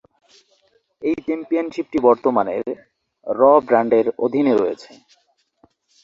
এই চ্যাম্পিয়নশিপটি বর্তমানে "র" ব্র্যান্ডের অধীনে রয়েছে।